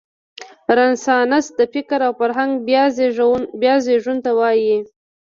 رنسانس د فکر او فرهنګ بیا زېږون ته وايي.